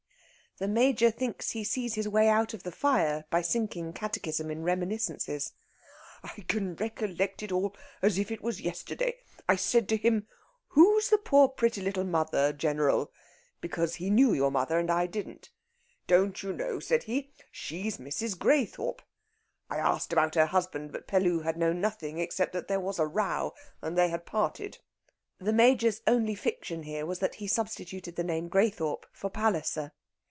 The Major thinks he sees his way out of the fire by sinking catechism in reminiscences. "I can recollect it all as if it were yesterday. I said to him, 'Who's the poor pretty little mother, General?' Because he knew your mother, and I didn't. 'Don't you know?' said he. 'She's Mrs. Graythorpe.' I asked about her husband, but Pellew had known nothing except that there was a row, and they had parted." The Major's only fiction here was that he substituted the name Graythorpe for Palliser.